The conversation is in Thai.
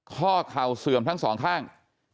๖ข้อเข่าเสื่อมทั้ง๒ข้าง